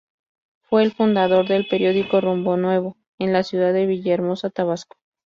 Fue el fundador del periódico "Rumbo Nuevo" en la ciudad de Villahermosa, Tabasco.